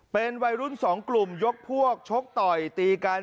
เป็นวัยรุ่นสองกลุ่มยกพวกชกต่อยตีกัน